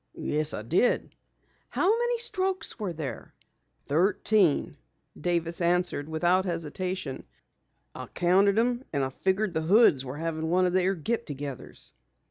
"Yes, I did." "How many strokes were there?" "Thirteen," Davis answered without hesitation. "I counted them and figured the Hoods were having one of their get togethers."